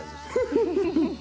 ウフフフ！